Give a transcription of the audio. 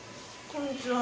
こんにちは。